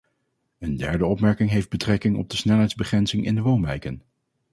Een derde opmerking heeft betrekking op de snelheidsbegrenzing in de woonwijken.